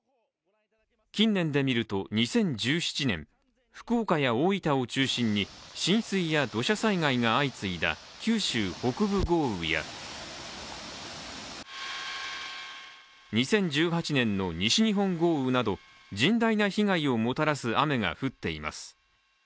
近年でみると、２０１７年、福岡や大分を中心に浸水や土砂災害が相次いだ九州北部豪雨や２０１８年の西日本豪雨など甚大な被害をもたらす雨が降っています。